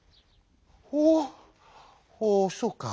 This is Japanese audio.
「おうそうか。